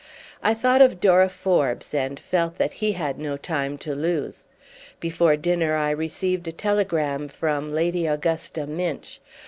I thought of Dora Forbes and felt that he had no time to lose. Before dinner I received a telegram from Lady Augusta Minch.